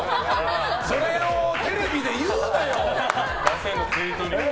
それをテレビで言うなよ！